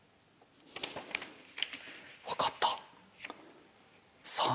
分かった。